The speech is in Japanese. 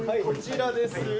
こちらです！